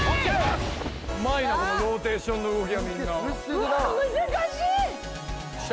うまいなこのローテーションの動きがみんなうわよっしゃ